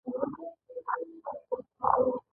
چهاربیتې د پښتو شعر یو خوندور ډول دی.